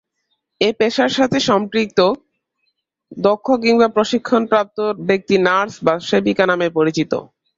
এ পেশার সাথে সম্পৃক্ত, দক্ষ কিংবা প্রশিক্ষণপ্রাপ্ত ব্যক্তি নার্স বা সেবিকা নামে পরিচিত।